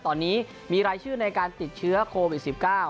ตอนนี้มีรายชื่อในการติดเชื้อโควิด๑๙